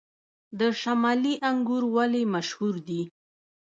د شمالي انګور ولې مشهور دي؟